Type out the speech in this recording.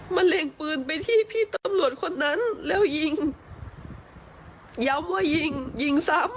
เล็งปืนไปที่พี่ตำรวจคนนั้นแล้วยิงย้ำว่ายิงยิงซ้ำ